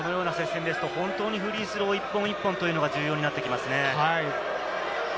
このような接戦ですと、フリースロー、一本一本が重要になってきますね。